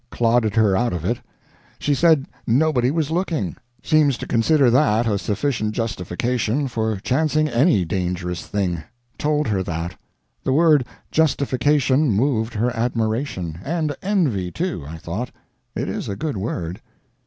Clodded her out of it. She said nobody was looking. Seems to consider that a sufficient justification for chancing any dangerous thing. Told her that. The word justification moved her admiration and envy, too, I thought. It is a good word.